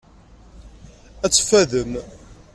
Ad teffadem.